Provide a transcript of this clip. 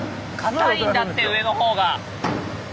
硬いんだって上の方が。